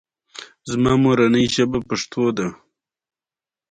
او زما سره د تسلۍ ټول لفظونه قات وو ـ